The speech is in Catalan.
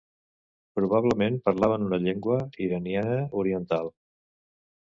Probablement parlaven una llengua iraniana oriental.